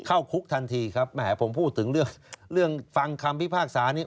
เข้าคุกทันทีครับแหมผมพูดถึงเรื่องเรื่องฟังคำพิพากษานี้